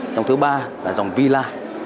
dòng thứ ba là dòng villa